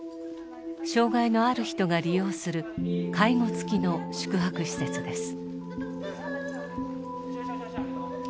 障害のある人が利用する介護付きの宿泊施設です。